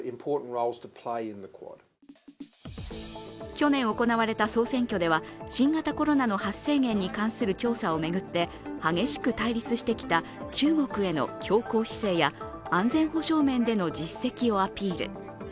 去年行われた総選挙では新型コロナの発生源に関する調査を巡って激しく対立してきた中国への強硬姿勢や安全保障面での実績をアピール。